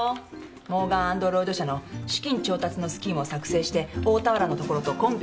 モーガン・アンド・ロイド社の資金調達のスキームを作成して大田原のところとコンペをしてもらうことになったの。